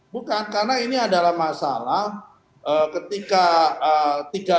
bukan karena ini adalah masalah ketika